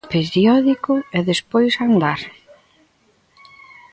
E periódico, e despois a andar.